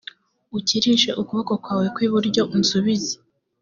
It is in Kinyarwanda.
ukirishe ukuboko kwawe kw iburyo unsubize